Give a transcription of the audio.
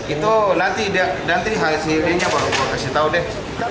itu nanti hasilnya baru kasih tau deh